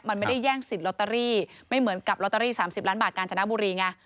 มันไม่ได้แย่งสิทธิ์ลอตเตอรี่ไม่เหมือนกับลอตเตอรี่๓๐ล้านบาทกาญจนบุรีไง